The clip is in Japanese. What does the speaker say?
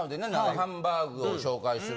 ハンバーグを紹介する。